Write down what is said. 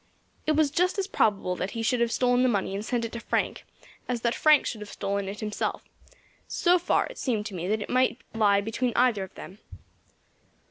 It was just as probable that he should have stolen the money and sent it to Frank as that Frank should have stolen it himself; so far it seemed to me that it might lie between either of them.